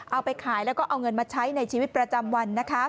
เอาไปขายแล้วก็เอาเงินมาใช้ในชีวิตประจำวันนะคะ